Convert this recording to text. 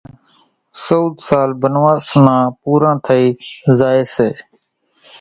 پسي زيرين سئوۮ سال بنواس نان پوران ٿئي زائي سي